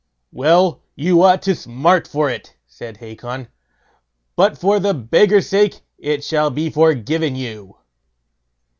"Well, you ought to smart for it", said Hacon; "but for the beggar's sake it shall be forgiven you."